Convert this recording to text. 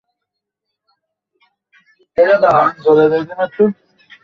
নববর্ষের দিনজুড়ে এভাবেই মা-বাবা কিংবা স্বজনের হাত ধরে ঘুরে বেড়িয়েছে শিশুরা।